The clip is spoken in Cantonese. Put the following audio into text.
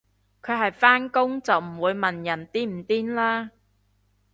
佢係返工就唔會問人癲唔癲啦